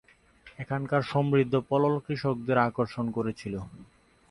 এখানকার সমৃদ্ধ পলল কৃষকদের আকর্ষণ করেছিল।